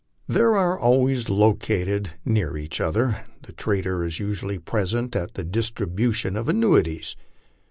They are always located oear each other. The trader is usually present at the distribution of annui Jes.